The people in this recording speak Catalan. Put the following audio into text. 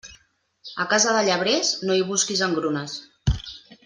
A casa de llebrers, no hi busquis engrunes.